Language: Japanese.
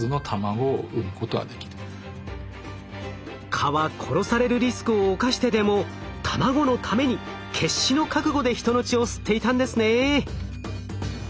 蚊は殺されるリスクを冒してでも卵のために決死の覚悟で人の血を吸っていたんですね。